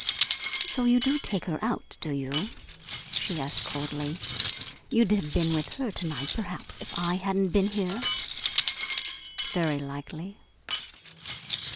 "So you do take her out, do you?" she asked coldly. "You'd have been with her to night, perhaps, if I hadn't been here?" "Very likely."